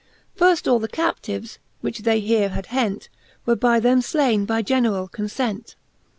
Firft all the captives, which they here had hent, Were by them flaine by general! conient.